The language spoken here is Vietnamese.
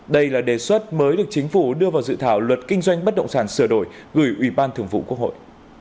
đây là đề xuất mới được chính phủ đưa vào dự thảo luật kinh doanh bất động sản sửa đổi gửi ủy ban thường vụ quốc hội